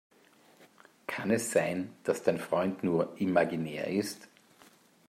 Kann es sein, dass dein Freund nur imaginär ist?